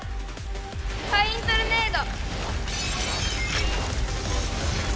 ファイントルネード！